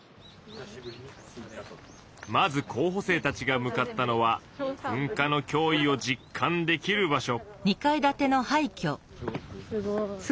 まず候補生たちが向かったのは噴火の脅威を実感できる場所。